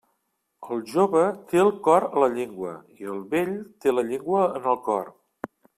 El jove té el cor a la llengua, i el vell té la llengua en el cor.